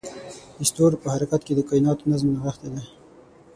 د ستورو په حرکت کې د کایناتو نظم نغښتی دی.